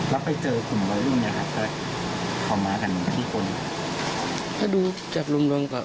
ดูจากลงก็ประมาณ๒๐ปกคร๒๐๒๔ในภายความนิยม